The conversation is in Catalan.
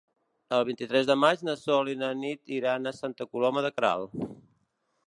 El vint-i-tres de maig na Sol i na Nit iran a Santa Coloma de Queralt.